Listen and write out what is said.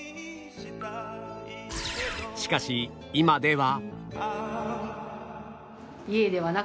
しかし今では